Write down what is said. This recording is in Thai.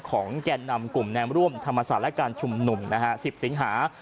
แก่นำกลุ่มแนมร่วมธรรมศาสตร์และการชุมนุม๑๐สิงหา